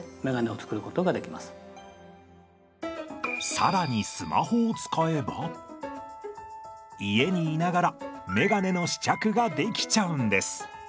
更にスマホを使えば家にいながら眼鏡の試着ができちゃうんです。